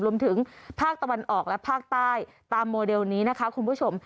รวมถึงภาคตะวันออกและภาคใต้ตามโมเดลนี้นะคะคุณผู้ชม